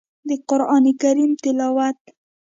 د قران کريم تلاوت